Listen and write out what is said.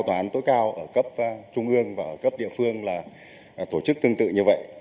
tòa án tối cao ở cấp trung ương và cấp địa phương là tổ chức tương tự như vậy